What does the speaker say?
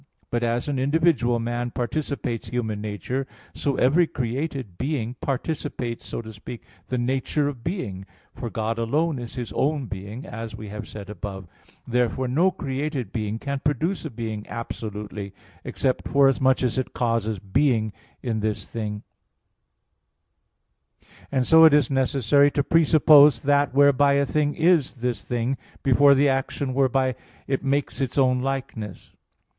But as an individual man participates human nature, so every created being participates, so to speak, the nature of being; for God alone is His own being, as we have said above (Q. 7, AA. 1, 2). Therefore no created being can produce a being absolutely, except forasmuch as it causes "being" in "this": and so it is necessary to presuppose that whereby a thing is this thing, before the action whereby it makes its own likeness.